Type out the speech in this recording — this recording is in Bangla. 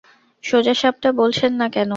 সোজাসাপ্টা বলছেন না কেন?